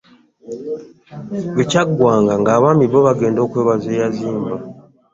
Bwe kyaggwanga ng’abaami bo bagenda okwebaza eyazimba.